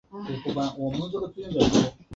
成化十二年改为寻甸府。